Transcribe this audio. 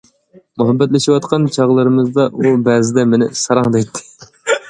مۇھەببەتلىشىۋاتقان چاغلىرىمىزدا ئۇ بەزىدە مېنى ‹ ‹ساراڭ› › دەيتتى.